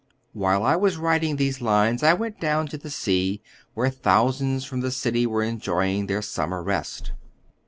"While I was writing these lines I went down to the sea, where thousands from the city were enjoying their summer i est.